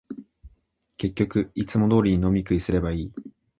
結局、いつも通りに飲み食いすればいい